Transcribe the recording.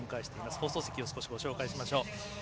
放送席を少しご紹介しましょう。